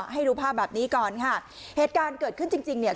ให้ดูภาพแบบนี้ก่อนค่ะเหตุการณ์เกิดขึ้นจริงจริงเนี่ย